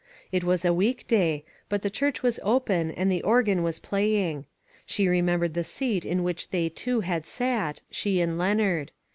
It was a week day, but the church was open and the organ was playing. She remembered the seat in which they two had sat — she and Leon ard.